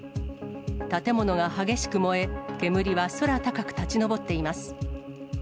建物が激しく燃え、煙は空高く立ち上っています。